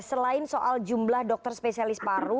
selain soal jumlah dokter spesialis paru